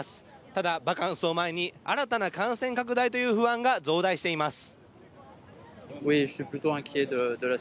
ただ、バカンスを前に新たな感染拡大という不安が増大しています。